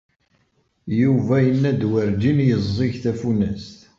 Yuba yenna-d werǧin yeẓẓig tafunast.